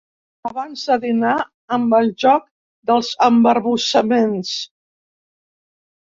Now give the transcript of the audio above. Abans de dinar, amb el joc dels embarbussaments.